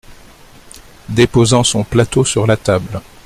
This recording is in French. Déposant son plateau sur la table.